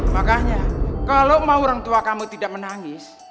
makanya kalau mau orang tua kamu tidak menangis